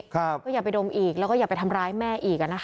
ไม่ลองไปดมเลยหรือเป็นไปทำร้ายแม่